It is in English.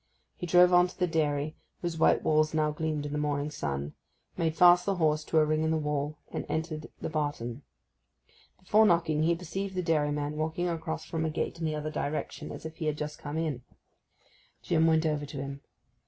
He drove on to the dairy, whose white walls now gleamed in the morning sun; made fast the horse to a ring in the wall, and entered the barton. Before knocking, he perceived the dairyman walking across from a gate in the other direction, as if he had just come in. Jim went over to him.